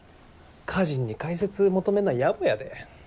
歌人に解説求めんのはやぼやで。